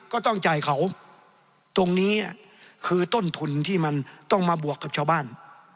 ก็ต้องจ่ายเขาตรงนี้คือต้นทุนที่มันต้องมาบวกกับชาวบ้าน